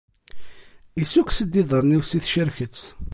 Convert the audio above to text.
Issukkus-d iḍarren-iw si tcerket.